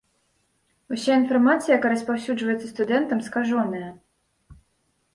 Уся інфармацыя, якая распаўсюджваецца студэнтам, скажоная.